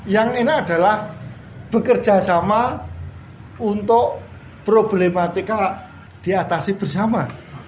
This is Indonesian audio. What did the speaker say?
yang ini adalah bekerja sama untuk problematika diatasi bersama